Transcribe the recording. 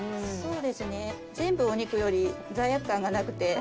そうですね全部お肉より罪悪感がなくて。